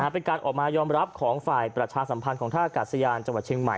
เป็นการออกมายอมรับของฝ่ายประชาสัมพันธ์ของท่ากาศยานจังหวัดเชียงใหม่